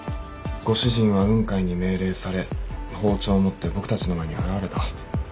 ご主人は雲海に命令され包丁を持って僕たちの前に現れた。